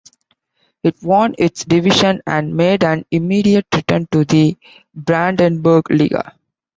It won its division and made an immediate return to the Brandenburg-Liga.